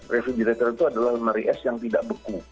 refrigerator itu adalah lemari es yang tidak beku